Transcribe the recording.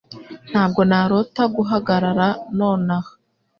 Ntabwo narota guhagarara nonaha